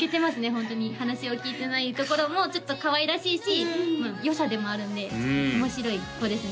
ホントに話を聞いてないところもちょっとかわいらしいしよさでもあるんで面白い子ですね